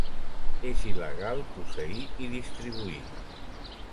És il·legal posseir i distribuir.